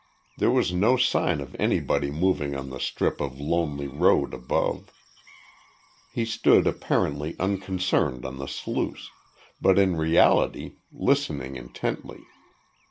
There was no sign of anybody moving on the strip of lonely road above. He stood apparently unconcerned on the sluice, but in reality, listening intently.